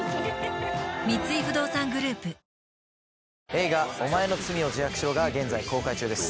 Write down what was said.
映画『おまえの罪を自白しろ』が現在公開中です。